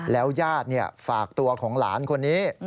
แล้วญาติฝากตัวของหลานคนนี้